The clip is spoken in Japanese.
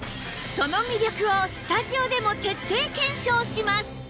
その魅力をスタジオでも徹底検証します！